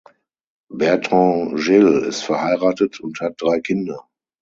Bertrand Gille ist verheiratet und hat drei Kinder.